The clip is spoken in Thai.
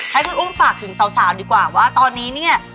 ให้คุณอุ้มฝากถึงสาวดีกว่าว่าตอนนี้เนี่ย